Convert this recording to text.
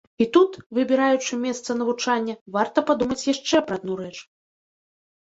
І тут, выбіраючы месца навучання, варта падумаць яшчэ пра адну рэч.